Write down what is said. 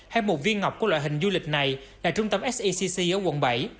hay một viên ngọc của loại hình du lịch này là trung tâm secc ở quận bảy